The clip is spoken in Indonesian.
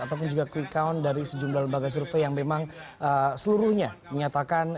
ataupun juga quick count dari sejumlah lembaga survei yang memang seluruhnya menyatakan